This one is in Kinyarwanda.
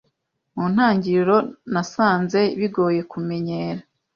Mu ntangiriro nasanze bigoye kumenyera